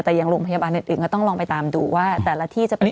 แต่อย่างโรงพยาบาลอื่นก็ต้องลองไปตามดูว่าแต่ละที่จะเป็น